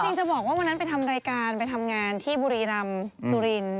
จริงจะบอกว่าวันนั้นไปทำรายการไปทำงานที่บุรีรัมทร์จุรินทธิศ